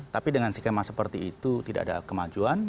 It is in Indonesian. tapi dengan skema seperti itu tidak ada kemajuan